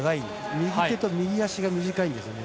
右手と右足が短いんですよね。